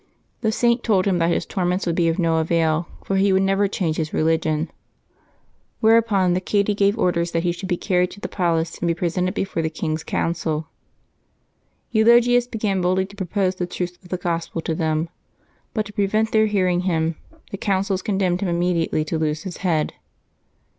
The .Saint told him that his torments would be of no avail, for he would never change his religion. WTiereupon the cadi gave orders that he should be carried to the palace and be presented before the king's council. Eulogius began boldly to propose the truths of the Gospel to them. But, to prevent their hearing him, the council condemned him immediately to lose his head.